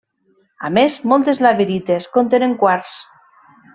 A més, moltes laterites contenen quars.